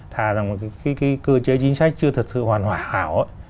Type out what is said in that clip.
thà rằng cái cơ chế chính sách chưa thật sự hoàn hảo